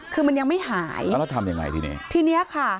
คือมันยังไม่หายแล้วทำอย่างไรที่นี่